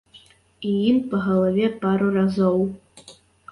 І ім па галаве пару разоў.